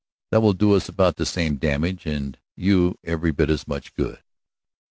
That will do us about the same damage, and you every bit as much good."